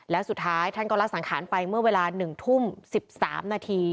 แล้วสุดท้ายท่านก็ละสังขารไปเมื่อเวลา๑ทุ่ม๑๓นาที